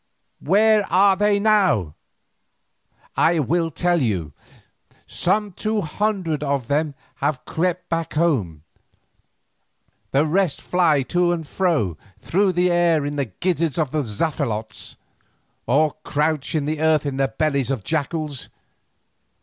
Where are they now? I will tell you. Some two hundred of them have crept back home, the rest fly to and fro through the air in the gizzards of the zaphilotes, or crouch on the earth in the bellies of jackals.